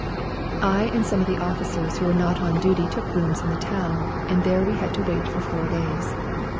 I and some of the officers who were not on duty took rooms in the town, and there we had to wait for four days.